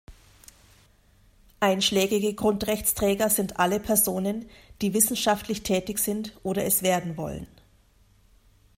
Einschlägige Grundrechtsträger sind alle Personen, die wissenschaftlich tätig sind oder es werden wollen.